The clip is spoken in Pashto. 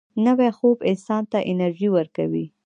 نوی خوب انسان ته انرژي ورکوي